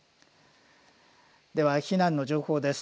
では、避難の情報です。